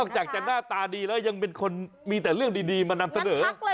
จากจะหน้าตาดีแล้วยังเป็นคนมีแต่เรื่องดีมานำเสนอ